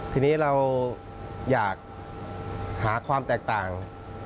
ทีนี้เราอยากหาความแตกต่าง